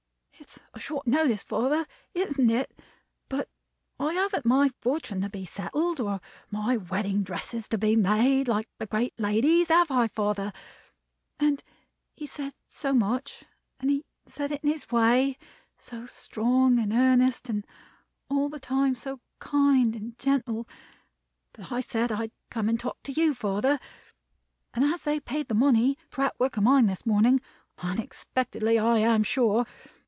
It's a short notice, father isn't it? but I haven't my fortune to be settled, or my wedding dresses to be made, like the great ladies, father, have I? And he said so much, and said it in his way; so strong and earnest, and all the time so kind and gentle; that I said I'd come and talk to you, father. And as they paid the money for that work of mine this morning (unexpectedly, I am sure!)